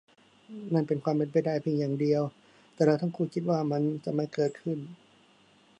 นั่นเป็นความเป็นไปได้เพียงอย่างเดียว แต่เราทั้งคู่คิดว่ามันจะไม่เกิดขึ้น